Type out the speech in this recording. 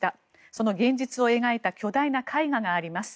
その現実を描いた巨大な絵画があります。